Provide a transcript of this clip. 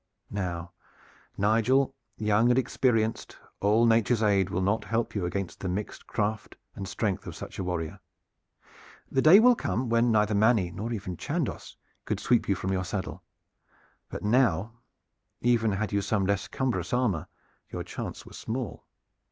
Now, Nigel, young and inexperienced, all Nature's aid will not help you against the mixed craft and strength of such a warrior. The day will come when neither Manny nor even Chandos could sweep you from your saddle; but now, even had you some less cumbrous armor, your chance were small.